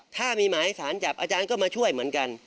ถ้ามีหมายสารจับอาจารย์ก็มาช่วยเหมือนกัน